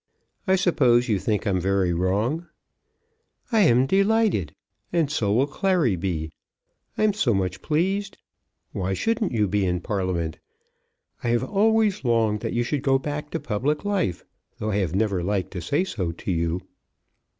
I suppose you think I'm very wrong?" "I am delighted, and so will Clary be. I'm so much pleased! Why shouldn't you be in Parliament? I have always longed that you should go back to public life, though I have never liked to say so to you."